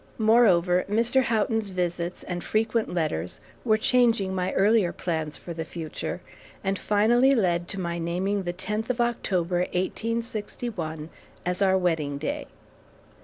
Moreover, Mr. Houghton's visits and frequent letters were changing my earlier plans for the future, and finally led to my naming the tenth of October, 1861, as our wedding day.